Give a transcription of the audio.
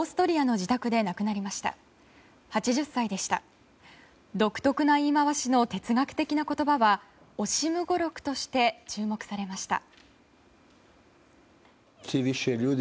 独特な言い回しの哲学的な言葉はオシム語録として注目されました。